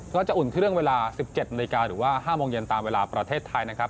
อุ่นเครื่องเวลา๑๗นาฬิกาหรือว่า๕โมงเย็นตามเวลาประเทศไทยนะครับ